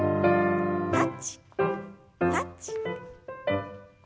タッチタッチ。